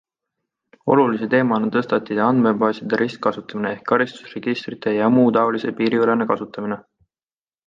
Olulise teemana tõstatati andmebaaside ristkasutamine ehk karistusregistrite jmt piiriülene kasutamine.